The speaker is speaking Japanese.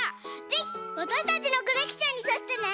ぜひわたしたちのコレクションにさせてね！